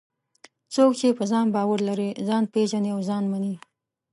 څوک چې په ځان باور لري، ځان پېژني او ځان مني.